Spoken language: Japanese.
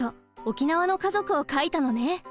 沖縄の家族を書いたのね。